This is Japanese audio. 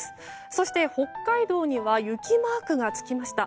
そして、北海道には雪マークがつきました。